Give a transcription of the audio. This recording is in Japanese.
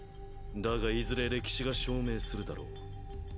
だがいずれ歴史が証明するだろう。